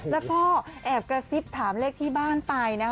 แล้วก็แอบกระซิบถามเลขที่บ้านไปนะคะ